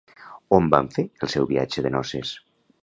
On van fer el seu viatge de noces?